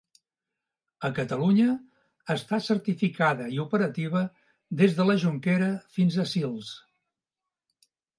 A Catalunya, està certificada i operativa, des de la Jonquera fins a Sils.